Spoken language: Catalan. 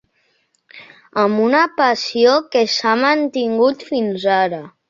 Amb una passió que s’ha mantingut fins ara.